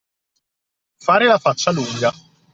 Fare la faccia lunga.